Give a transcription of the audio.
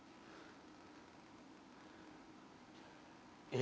え！